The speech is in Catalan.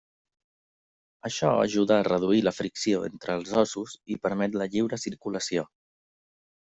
Això ajuda a reduir la fricció entre els ossos i permet la lliure circulació.